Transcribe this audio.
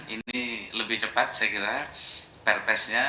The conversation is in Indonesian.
ini lebih cepat saya kira pertesnya